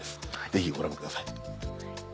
ぜひご覧ください。